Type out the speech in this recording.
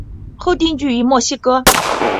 后定居于墨西哥。